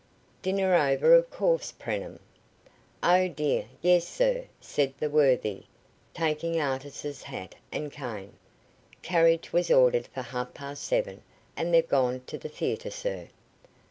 "Dinner over, of course, Preenham?" "Oh, dear, yes, sir," said that worthy, taking Artis's hat and cane. "Carriage was ordered for half past seven, and they've gone to the theatre, sir."